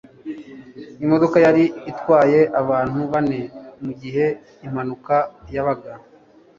imodoka yari itwaye abantu bane mugihe impanuka yabaga